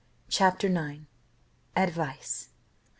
CHAPTER IX. ADVICE.